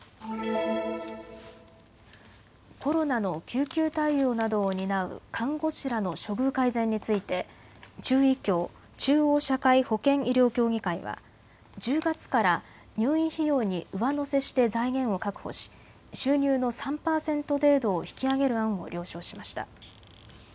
コロナの救急対応などを担う看護師らの処遇改善について中医協・中央社会保険医療協議会は１０月から入院費用に上乗せして財源を確保し収入の３％程度を引き上げる案を了承しました。